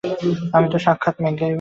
আমি তো সাক্ষাত ম্যাকগাইভার।